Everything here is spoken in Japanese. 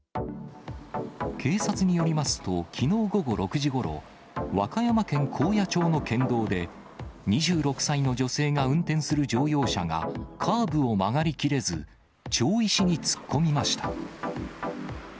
警察によりますと、きのう午後６時ごろ、和歌山県高野町の県道で、２６歳の女性が運転する乗用車がカーブを曲がりきれず、町石に突っ込みました。